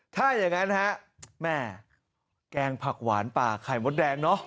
ถ้าอย่างนั้นฮะแม่แกงผักหวานป่าไข่มดแดงเนอะ